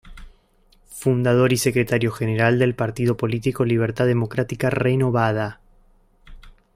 Fundador y secretario general del partido político Libertad Democrática Renovada.